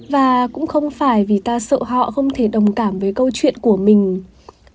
và cũng không phải vì ta sợ họ không thể đồng cảm với câu chuyện của mình